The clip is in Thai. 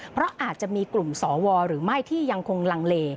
เพราะอาจจะมีกลุ่มสวหรือไม่ที่ยังคงลังเล